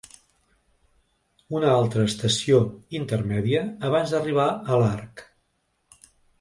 Una altra estació intermèdia abans d’arribar a l’arc.